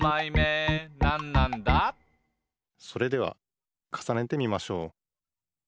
「それではかさねてみましょう」